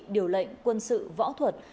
điều lệnh quân sự võ thuật